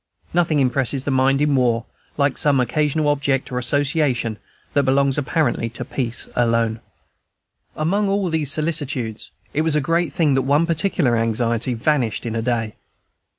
Nothing impresses the mind in war like some occasional object or association that belongs apparently to peace alone. Among all these solicitudes, it was a great thing that one particular anxiety vanished in a day.